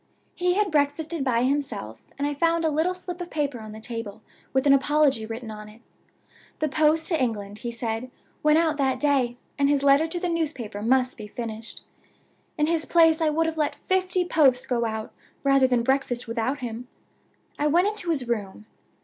He had breakfasted by himself, and I found a little slip of paper on the table with an apology written on it. The post to England, he said, went out that day and his letter to the newspaper must be finished. In his place I would have let fifty posts go out rather than breakfast without him. I went into his room.